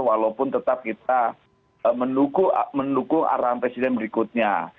walaupun tetap kita mendukung arahan presiden berikutnya